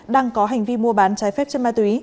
đang có hành vi mua bán trái phép trên mạng